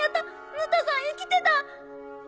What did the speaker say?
ムタさん生きてた！